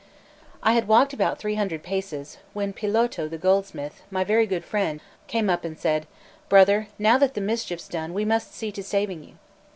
I had walked about three hundred paces, when Piloto the goldsmith, my very good friend, came up and said: "Brother, now that the mischief's done, we must see to saving you."